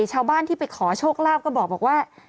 ชาวบ้านที่ไปขอโชคลาภก็บอกว่า